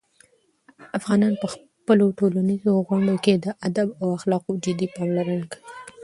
افغانان په خپلو ټولنیزو غونډو کې د "ادب" او "اخلاقو" جدي پاملرنه کوي.